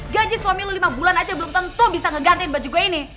gaji suami lu lima bulan aja belum tentu bisa ngegantiin baju gue ini